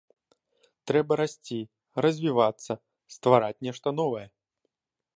Трэба расці, развівацца, ствараць нешта новае.